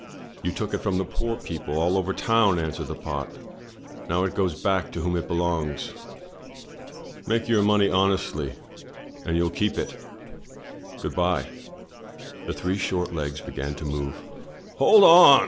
"You took it from the poor people all over town," answered the pot. "Now it goes back to whom it belongs. Make your money honestly, and you'll keep it — Good bye." The three short legs began to move. "Hold on!"